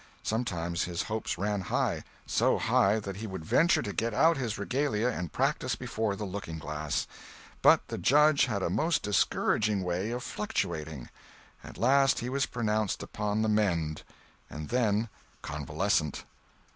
Sometimes his hopes ran high—so high that he would venture to get out his regalia and practise before the looking glass. But the Judge had a most discouraging way of fluctuating. At last he was pronounced upon the mend—and then convalescent.